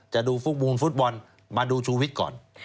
จะดูฟุตบอลมาดูชูวิตก่อน